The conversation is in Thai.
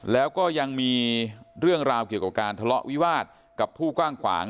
แล้วก็ยังมีเรื่องราวเกี่ยวกับการทะเลาะวิวาสกับผู้กว้างขวาง